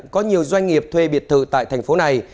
có nhiều doanh nghiệp thuê biệt thự tại thành phố này